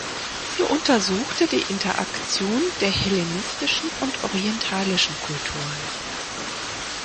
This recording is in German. Sie untersuchte die Interaktion der hellenistischen und orientalischen Kulturen.